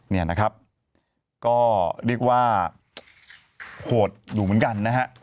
นี่นะครับก็เรียกว่าโหดอยู่เหมือนกันนะฮะ